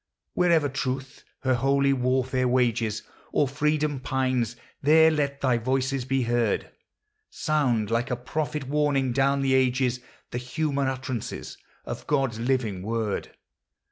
Wherever Truth her holy warfare wages, Or freedom pines, there let thy voice be heard; Sound like a prophet warning down the ages The human utterance of God's living word.